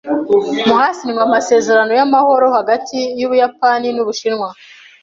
Mu hasinywe amasezerano y’amahoro hagati y’Ubuyapani n’Ubushinwa.